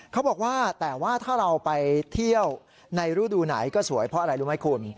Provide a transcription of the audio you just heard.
เขาบอกว่าแต่ว่าถ้าเราไปเที่ยวในรูดูไหนก็สวยเพราะอะไรรู้ไหมคุณ